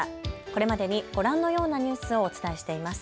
これまでにご覧のようなニュースをお伝えしています。